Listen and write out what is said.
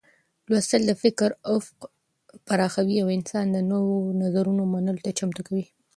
لوستل د فکر افق پراخوي او انسان د نوو نظرونو منلو ته چمتو کوي.